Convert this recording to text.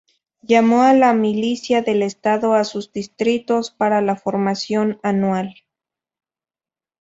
Llamó a la milicia del estado a sus distritos para la formación anual.